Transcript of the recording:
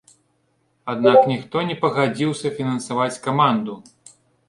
Аднак ніхто не пагадзіўся фінансаваць каманду.